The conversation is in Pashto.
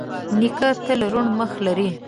نیکه تل روڼ مخ لري.